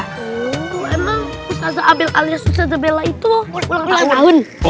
oh emang ustazah abel alias ustazah bella itu ulang tahun